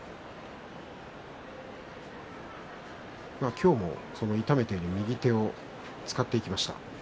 今日も痛めている右手を使っていきました。